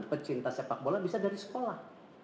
pecinta sepak bola bisa dari sekolah